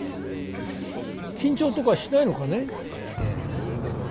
緊張とかしないのかね？